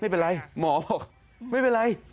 ไม่เป็นไรหมอบอกไม่เป็นไร